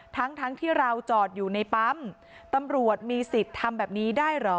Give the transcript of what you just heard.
ทั้งทั้งที่เราจอดอยู่ในปั๊มตำรวจมีสิทธิ์ทำแบบนี้ได้เหรอ